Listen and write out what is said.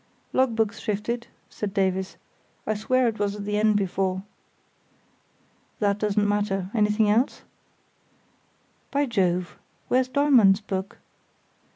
"Logbook's shifted," said Davies. "I'll swear it was at the end before." "That doesn't matter. Anything else?" "By Jove!—where's Dollmann's book?"